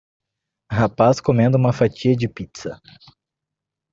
Rapaz comendo uma fatia de pizza